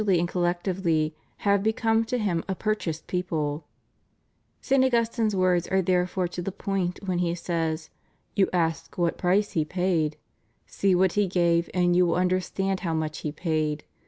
457 and collectively, have become to Him a purchased people} St. Aiigvistine's words are therefore to the point when he says: "You ask what price He paid? See what He gave and you will understand how much He paid.